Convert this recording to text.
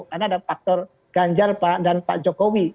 karena ada faktor ganjar dan pak jokowi